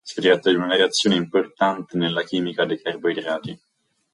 Si tratta di una reazione importante nella chimica dei carboidrati.